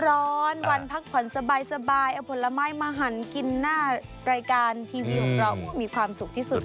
รายการทีวีของเรามีความสุขที่สุดเลย